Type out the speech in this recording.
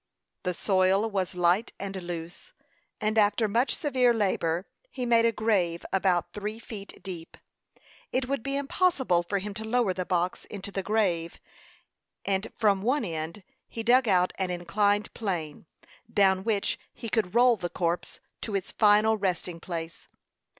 The soil was light and loose, and after much severe labor, he made a grave about three feet deep. It would be impossible for him to lower the box into the grave; and, from one end, he dug out an inclined plane, down which he could roll the corpse to its final resting place.